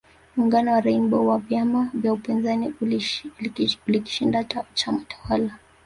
Muungano wa Rainbow wa vyama vya upinzani ulikishinda chama tawala